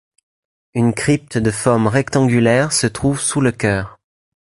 Une crypte de forme rectangulaire se trouve sous le chœur.